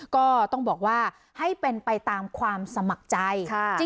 ก็ต้องบอกว่าให้เป็นไปตามความสมัครใจ